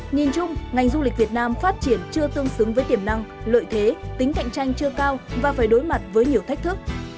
nhìn chung ngành du lịch việt nam phát triển chưa tương xứng với tiềm năng lợi thế tính cạnh tranh chưa cao và phải đối mặt với nhiều thách thức